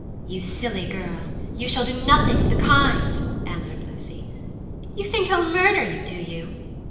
"You silly girl, you shall do nothing of the kind!" answered Lucy. "You think he'll murder you, do you?